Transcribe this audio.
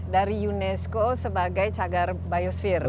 dari unesco sebagai cagar biosfer